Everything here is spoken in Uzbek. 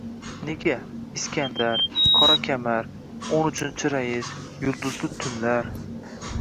— Nega? “Iskandar”, “Qora kamar”, “O‘n uchinchi rais”, “Yulduzli tunlar”…